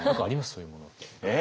そういうもの。え？